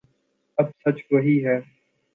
اب سچ وہی ہے